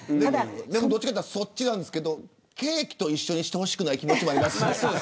どちらかというとそっちですけどケーキと一緒にしてほしくない気持ちもあります。